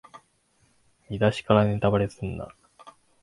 見だしからネタバレすんな